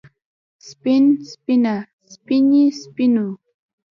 سپين سپينه سپينې سپينو